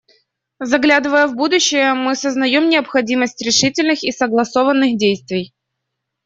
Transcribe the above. Заглядывая в будущее, мы сознаем необходимость решительных и согласованных действий.